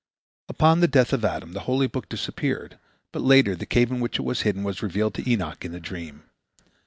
Upon the death of Adam, the holy book disappeared, but later the cave in which it was hidden was revealed to Enoch in a dream.